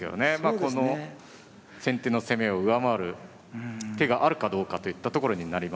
この先手の攻めを上回る手があるかどうかといったところになりますね。